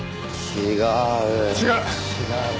違う。